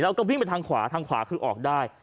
แล้วก็วิ่งไปทางขวาทางขวาคือออกได้